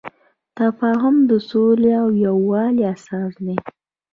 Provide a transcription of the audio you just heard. تفاهم د سولې او یووالي اساس دی.